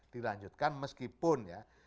dilanjutkan meskipun ya